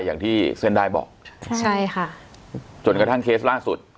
อย่างที่เส้นได้บอกใช่ค่ะจนกระทั่งเคสล่าสุด